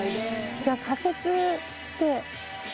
じゃあ仮設して。